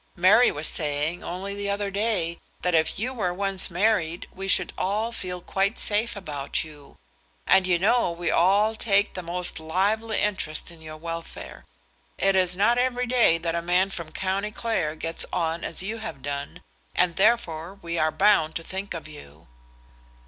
Mary was saying, only the other day, that if you were once married, we should all feel quite safe about you. And you know we all take the most lively interest in your welfare. It is not every day that a man from County Clare gets on as you have done, and therefore we are bound to think of you."